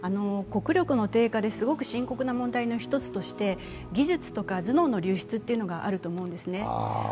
国力の低下ですごく深刻な問題の一つとして技術とか頭脳の流出というのがあると思うんですね。